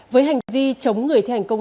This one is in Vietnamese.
với hành vi chống người thi hành công